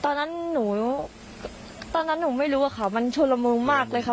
ตอนนั้นหนูตอนนั้นหนูไม่รู้อะค่ะมันชุดละมุงมากเลยค่ะ